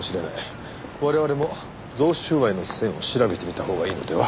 我々も贈収賄の線を調べてみたほうがいいのでは？